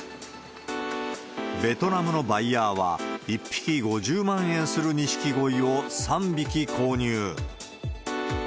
ベトナムのバイヤーは、１匹５０万円するニシキゴイを３匹購入。